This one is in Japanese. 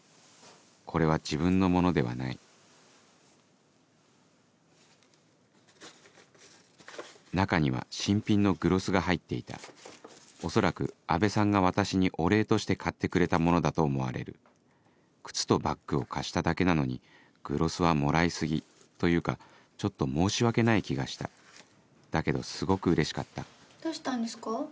これは自分のものではない中には新品のグロスが入っていた恐らく阿部さんが私にお礼として買ってくれたものだと思われる靴とバッグを貸しただけなのにグロスはもらい過ぎというかちょっと申し訳ない気がしただけどすごくうれしかったどうしたんですか？